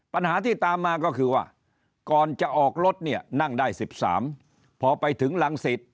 ปัญหาที่ตามมาก็คือว่าก่อนจะออกรถเนี่ยนั่งได้๑๓พอไปถึงรังสิต